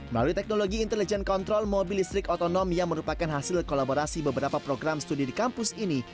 melalui teknologi intelligent kontrol mobil listrik otonom yang merupakan hasil kolaborasi beberapa program studi di kampus ini